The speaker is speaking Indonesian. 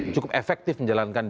cukup efektif menjalankan ini